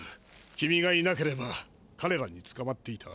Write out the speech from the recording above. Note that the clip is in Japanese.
君がいなければかれらにつかまっていた。